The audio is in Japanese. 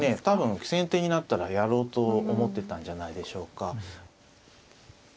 多分先手になったらやろうと思ってたんじゃないでしょうか。